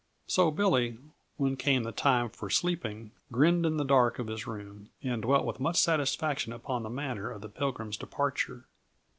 So Billy, when came the time for sleeping, grinned in the dark of his room and dwelt with much satisfaction upon the manner of the Pilgrim's departure.